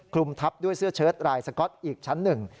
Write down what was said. คลุมทับด้วยเสื้อเชิดรายสก๊อตอีกชั้นหนึ่ง